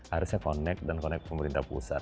harusnya connect dan connect pemerintah pusat